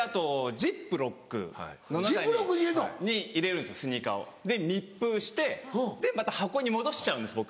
ジップロックに入れんの⁉入れるんですスニーカーをで密封してまた箱に戻しちゃうんです僕。